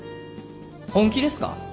本気ですか？